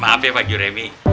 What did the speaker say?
maaf ya pak juremi